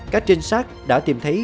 các trinh sát đã tìm thấy